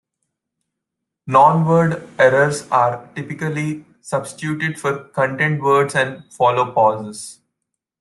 Nonword errors are typically substituted for content words and follow pauses.